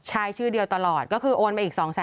ใช่ชื่อเดียวตลอดก็คือโอนมาอีก๒๐๐๐